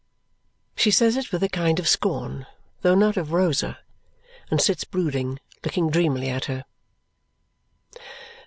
She says it with a kind of scorn though not of Rosa and sits brooding, looking dreamily at her.